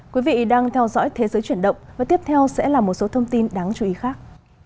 quý vị đang theo dõi thế giới chuyển động và tiếp theo sẽ là một số thông tin đáng chú ý khác